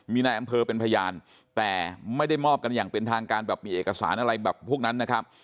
มีนายอำเภอเป็นพยานแต่ไม่ได้มอบกันอย่างเป็นทางการแบบมีเอกสารอะไรแบบพวกนั้นนะครับ